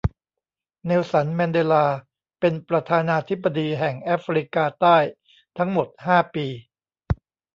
เนลสัน แมนเดลาเป็นประธานาธิบดีแห่งแอฟริกาใต้ทั้งหมดห้าปี